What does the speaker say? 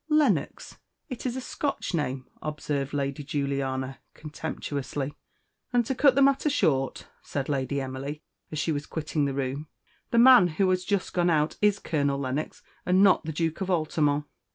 "Lennox! it is a Scotch name," observed Lady Juliana contemptuously. "And, to cut the matter short," said Lady Emily, as she was quitting the room, "the man who has just gone out is Colonel Lennox, and not the Duke of AItamont."